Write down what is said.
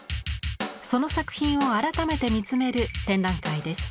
その作品を改めて見つめる展覧会です。